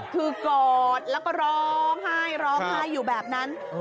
คือกอดแล้วก็ร้องไห้ร้องไห้อยู่แบบนั้น